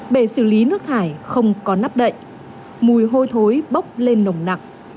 để xử lý nước thải không có nắp đậy mùi hôi thối bốc lên nồng nặng